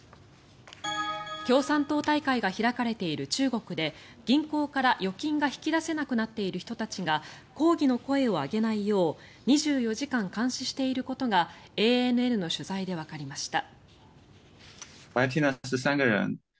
共産党大会が開かれている中国で銀行から預金が引き出せなくなっている人たちが抗議の声を上げないよう２４時間監視していることがＡＮＮの取材でわかりました。